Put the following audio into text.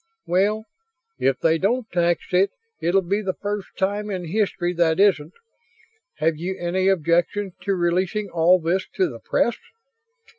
"Well, if they don't tax it it'll be the first thing in history that isn't. Have you any objections to releasing all this to the press?"